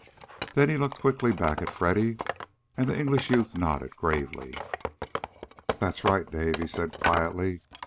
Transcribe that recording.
Then he looked quickly back at Freddy, and the English youth nodded gravely. "That's right, Dave," he said quietly.